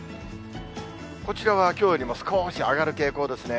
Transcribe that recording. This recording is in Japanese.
こちらはきょうよりも少し上がる傾向ですね。